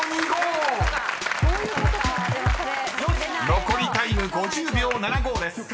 ［残りタイム５０秒７５です］